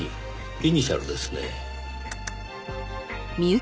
イニシャルですね。